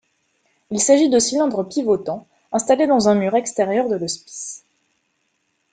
Il s'agit de cylindre pivotant installés dans un mur extérieur de l'hospice.